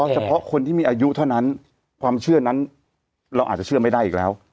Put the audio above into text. เฉพาะคนที่มีอายุเท่านั้นความเชื่อนั้นเราอาจจะเชื่อไม่ได้อีกแล้ว